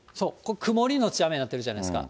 曇り後雨になってるじゃないですか。